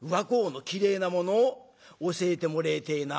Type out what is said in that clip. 教えてもらいてえな。